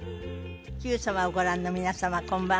『Ｑさま！！』をご覧の皆様こんばんは。